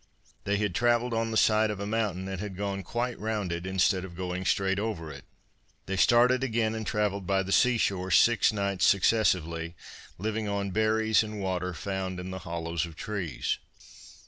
They had travelled on the side of a mountain, and had gone quite round it instead of going straight over it. They started again and travelled by the sea shore six nights successively, living on berries and water found in the hollows of trees.